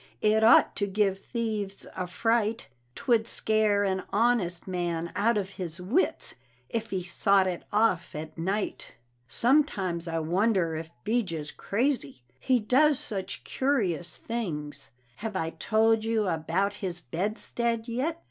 It ought to give thieves a fright 'Twould scare an honest man out of his wits, ef he sot it off at night. Sometimes I wonder ef 'Bijah's crazy, he does such curious things. Have I told you about his bedstead yit?